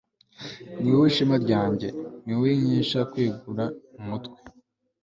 ni wowe shema ryanjye, ni wowe nkesha kwegura umutwe